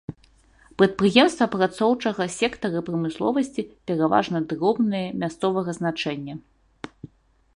Прадпрыемствы апрацоўчага сектара прамысловасці пераважна дробныя, мясцовага значэння.